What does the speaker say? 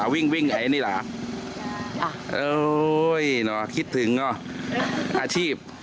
วิ่งอย่างนี้ล่ะครับน่ะคิดถึงร้องอาชีพ